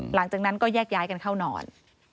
หลังจากนั้นก็แยกย้ายกันเข้านอน